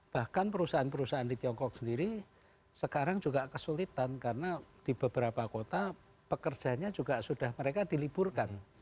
bahkan perusahaan perusahaan di tiongkok sendiri sekarang juga kesulitan karena di beberapa kota pekerjanya juga sudah mereka diliburkan